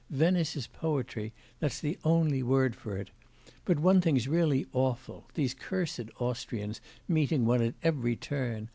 Venice is poetry that's the only word for it! But one thing's really awful: the cursed Austrians meeting one at every turn!